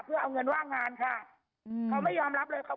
เพื่อเอาเงินว่างงานค่ะอืมเขาไม่ยอมรับเลยเขา